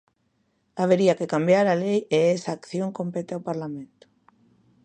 Habería que cambiar a lei e esa acción compete ao Parlamento.